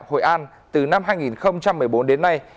hội an từ năm hai nghìn một mươi bốn đến nay